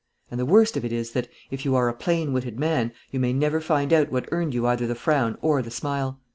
And the worst of it is that, if you are a plain witted man, you may never find out what earned you either the frown or the smile.